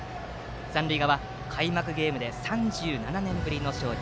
三塁側開幕ゲームで３７年ぶりの勝利